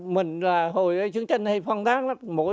mình là hồi sướng tranh hay phong tháng lắm